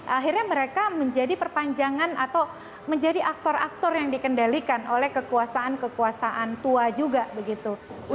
akhirnya mereka menjadi perpanjangan atau menjadi aktor aktor yang dikendalikan oleh kekuasaan kekuasaan tua juga begitu